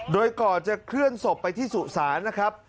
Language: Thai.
โดยก่อนจะเคลื่อนศพไปที่สุสานนะครับ